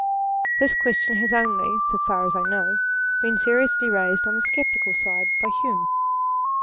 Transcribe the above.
This question has only, so far as I know, been seriously raised on the sceptical side, by Hume.